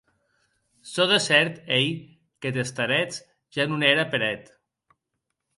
Çò de cèrt ei qu'eth starets ja non ère per eth.